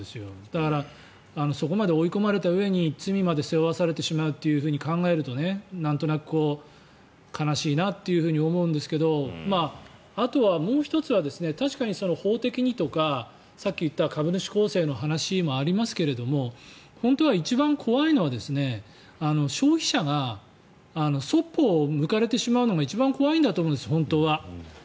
だからそこまで追い込まれたうえに罪まで背負わされてしまうと考えるとなんとなく悲しいなっていうふうに思うんですけどあとはもう１つは確かに法的にとかさっき言った株主構成の話もありますが本当は一番怖いのは、消費者にそっぽを向かれてしまうのが一番怖いんだと思うんです本当は。